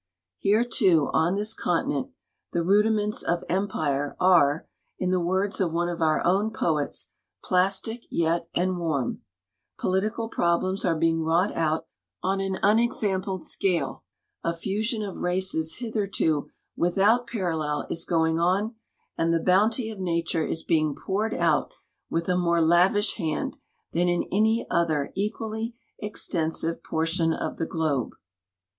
Here, too, on this continent " the rudiments of empire are," in the words of one of our own poets, " plastic yet and warm })olitical Ijrohlems are being wrought out on an unexami)led scale, a fusion of races hitherto without i)arallel is going on, and the bounty of nature is being {)Oured out with a more lavish hand than in any other equally e.xtensive [)ortion of the globe.